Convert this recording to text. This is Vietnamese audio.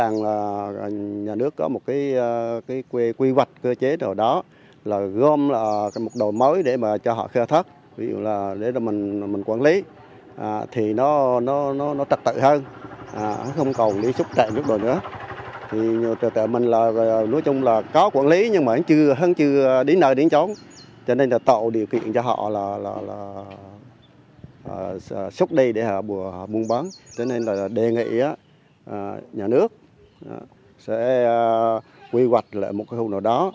nên là đề nghị nhà nước sẽ quy hoạch lại một khu nào đó